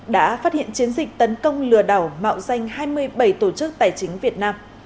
đã phát hiện chiến dịch tấn công lừa đảo mạo danh hai mươi bảy tổ chức tài chính việt nam